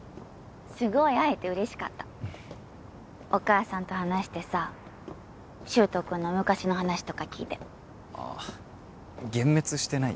すごい会えて嬉しかったお母さんと話してさ柊人君の昔の話とか聞いてあっ幻滅してない？